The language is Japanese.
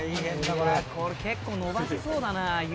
これ結構伸ばしそうだな言うて。